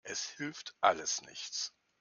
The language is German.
Es hilft alles nichts.